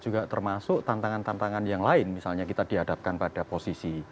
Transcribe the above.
juga termasuk tantangan tantangan yang lain misalnya kita dihadapkan pada posisi